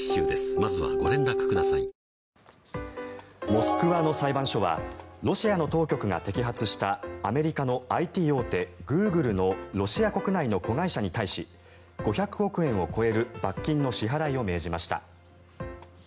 モスクワの裁判所はロシアの当局が摘発したアメリカのＩＴ大手、グーグルのロシア国内の子会社に対し５００億円を超える罰金の支払いを命じました。